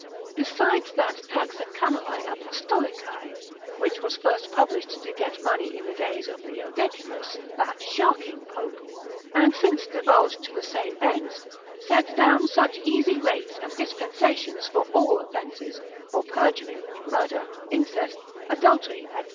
Besides that Taxa Camerae Apostolicae, which was first published to get money in the days of Leo Decimus, that sharking pope, and since divulged to the same ends, sets down such easy rates and dispensations for all offences, for perjury, murder, incest, adultery, &c.